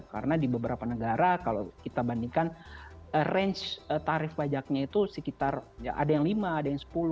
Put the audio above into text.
karena di beberapa negara kalau kita bandingkan range tarif pajaknya itu sekitar ada yang lima ada yang sepuluh